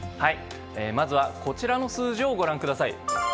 まずはこちらの数字をご覧ください。